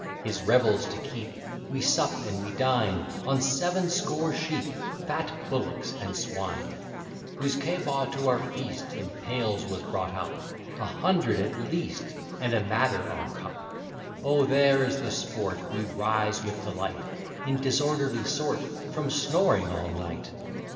His revels to keep, We sup and we dine On seven score sheep, Fat bullocks, and swine. Usquebaugh to our feast In pails was brought up, A hundred at least, And a madder our cup. O there is the sport! We rise with the light In disorderly sort, From snoring all night.